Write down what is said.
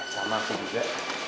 sama aku juga